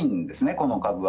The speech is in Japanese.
この株は。